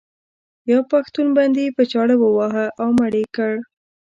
یو پښتون بندي په چاړه وواهه او مړ یې کړ.